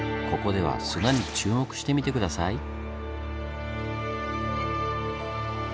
ここでは砂に注目してみて下さい。